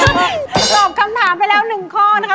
ตอบคำถามไปแล้วหนึ่งข้อนะคะ